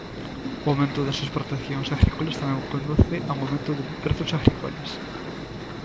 O aumento das exportacións agrícolas tamén conduce a un aumento de prezos agrícolas.